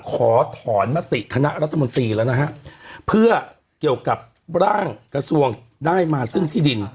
ขอถอนมติคณะรัฐมนตรีแล้วนะฮะเพื่อเกี่ยวกับร่างกระทรวงได้มาซึ่งที่ดิน